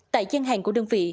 tại giang hàng của đơn vị